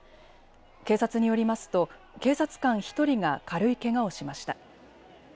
警察によりますと警察官１人が軽いけがをしました。